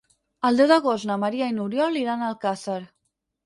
El deu d'agost na Maria i n'Oriol iran a Alcàsser.